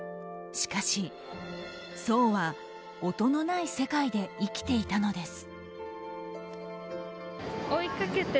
しかし、想は音のない世界で生きていたのです。